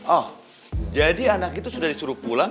oh jadi anak itu sudah disuruh pulang